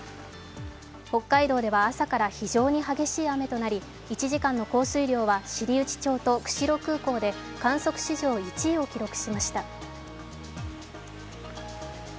北海道では朝から非常に激しい雨となり、１時間の降水量は知内町と釧路空港で観測史上１位を記録しました。